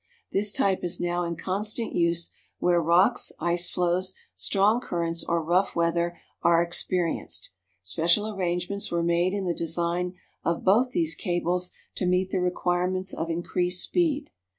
This type is now in constant use where rocks, ice floes, strong currents, or rough weather are experienced. Special arrangements were made in the design of both these cables to meet the requirements of increased speed.